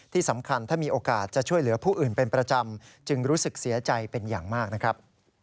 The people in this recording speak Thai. ที่สำคัญถ้ามีโอกาสจะช่วยเหลือผู้อื่นเป็นประจำจึงรู้สึกเสียใจเป็นอย่างมากนะครับ